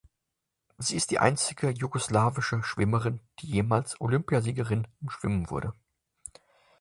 Sie ist die einzige jugoslawische Schwimmerin, die jemals Olympiasiegerin im Schwimmen wurde.